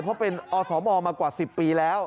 เพราะเป็นอสมมากว่า๑๐ปีแล้ว